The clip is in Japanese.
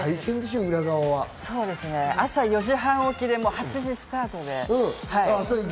朝４時半起きで８時スタートで。